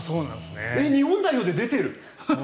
日本代表で出てる？